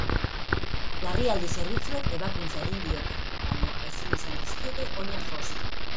Larrialdi zerbitzuek ebakuntza egin diote, baina ezin izan dizkiote oinak josi.